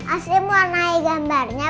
asih mau naik gambarnya